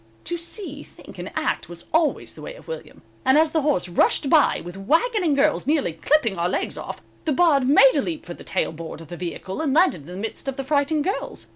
To see, think and act was always the way of William, and as the horse rushed by with wagon and girls, nearly clipping our legs off, the Bard made a leap for the tail board of the vehicle and landed in the midst of the frightened girls.